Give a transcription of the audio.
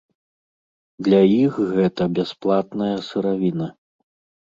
Для іх гэта бясплатная сыравіна.